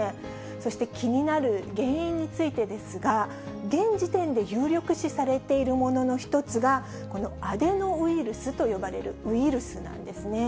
そして気になる原因についてですが、現時点で有力視されているものの一つが、このアデノウイルスと呼ばれるウイルスなんですね。